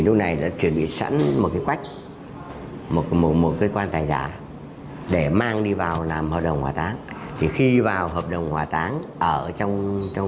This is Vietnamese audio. lúc này đã chuẩn bị sẵn một cái quách một một một cơ quan tài giả để mang đi vào làm hợp đồng hỏa táng